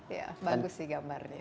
iya bagus sih gambarnya